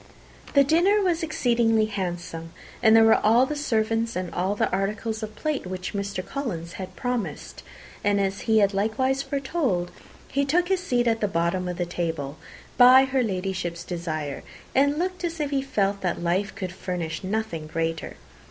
The dinner was exceedingly handsome, and there were all the servants, and all the articles of plate which Mr. Collins had promised; and, as he had likewise foretold, he took his seat at the bottom of the table, by her Ladyship's desire, and looked as if he felt that life could furnish nothing greater.